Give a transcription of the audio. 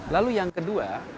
lalu yang kedua